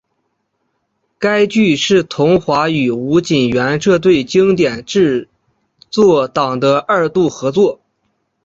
该剧是桐华与吴锦源这对经典制作档的二度合作。